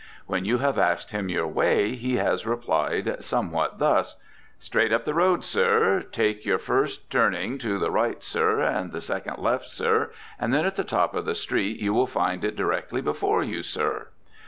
When you have asked him your way he has replied somewhat thus: "Straight up the road, sir, take your first turning to the right, sir, the second left, sir, and then at the top of the street you will find it directly before you, sir."